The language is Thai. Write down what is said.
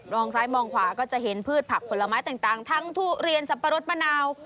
องซ้ายมองขวาก็จะเห็นพืชผักผลไม้ต่างทั้งทุเรียนสับปะรดมะนาว